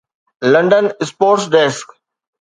London sports desk